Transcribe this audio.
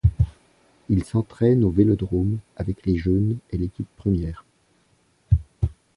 Il s'entraîne au vélodrome avec les jeunes et l'équipe première.